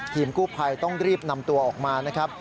ทีมกู้ภัยต้องรีบนำตัวออกมานะครับ